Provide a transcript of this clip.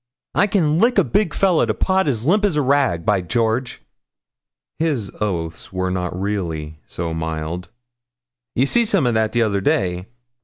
I can lick a big fellah to pot as limp as a rag, by George!' (his oaths were not really so mild) 'ye see summat o' that t'other day.